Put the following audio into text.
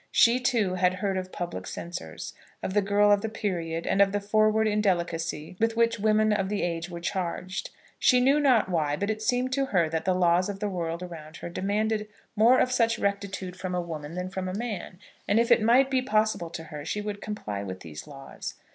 She, too, had heard of public censors, of the girl of the period, and of the forward indelicacy with which women of the age were charged. She knew not why, but it seemed to her that the laws of the world around her demanded more of such rectitude from a woman than from a man, and, if it might be possible to her, she would comply with these laws.